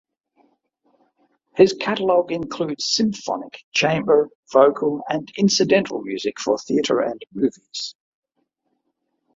His catalog includes symphonic, chamber, vocal and incidental music for theater and movies.